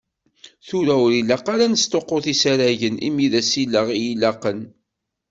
Tura, ur ilaq ara ad nesṭuqqut isaragen, imi d asileɣ i ilaqen.